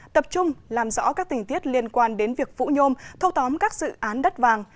tập trung làm rõ các tình tiết liên quan đến việc vũ nhôm thâu tóm các dự án đất vàng